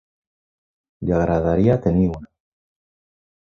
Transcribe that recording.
Li agradaria tenir una.